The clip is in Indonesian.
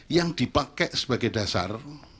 yang dipakai sebagai dasar